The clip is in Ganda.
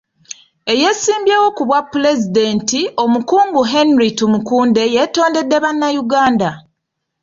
Eyeesimbyewo ku bwapulezidenti, omukungu Henry Tumukunde, yeetondedde Bannayuganda.